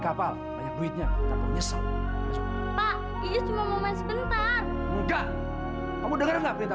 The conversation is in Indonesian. kapal banyak duitnya nyesel pak iya cuma mau main sebentar enggak kamu dengar nggak berita